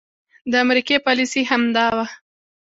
د امريکې پاليسي هم دا وه